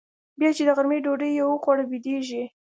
بيا چې د غرمې ډوډۍ يې وخوړه بيدېږي.